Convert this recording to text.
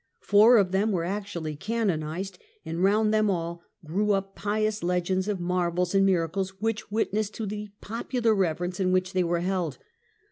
Four of them were actually canonized, and round them all grew up pious legends of marvels and miracles which witness to the popular reverence in which they were held.